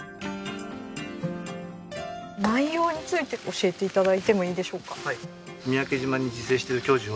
内容について教えて頂いてもいいでしょうか？